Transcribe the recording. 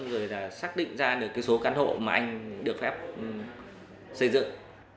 rồi xác định ra số căn hộ mà anh được phép xây dựng